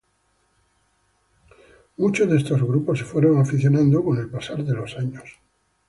Muchos de estos grupos se fueron afianzando con el pasar de los años.